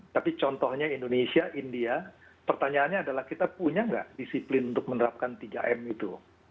tapi contohnya indonesia india pertanyaannya adalah kita punya nggak disiplin untuk menerapkan tiga m itu